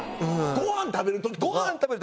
ごはん食べる時。